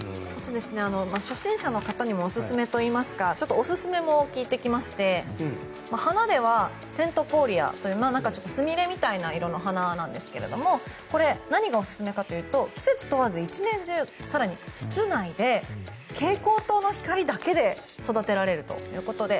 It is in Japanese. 初心者の方にもおすすめといいますかおすすめも聞いてきまして花ではセントポーリアというちょっとスミレみたいな色の花なんですがこれ、何がおすすめかというと季節を問わず１年中更に室内で、蛍光灯の光だけで育てられるということで。